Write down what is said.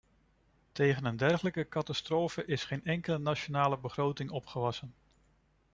Tegen een dergelijke catastrofe is geen enkele nationale begroting opgewassen.